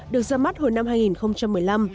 được ra mắt hồi năm hai nghìn một mươi năm